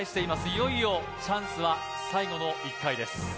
いよいよチャンスは最後の１回です